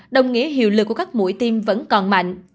đồng nghĩa hiệu lực của các mũi tiêm vẫn còn mạnh